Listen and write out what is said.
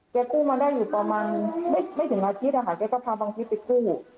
กู้มาได้อยู่ประมาณไม่ถึงอาทิตย์นะคะแกก็พาบังพิษไปกู้